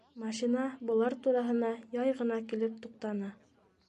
Машина былар тураһына яй ғына килеп туҡтаны.